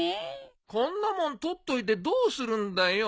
こんなもん取っておいてどうするんだよ。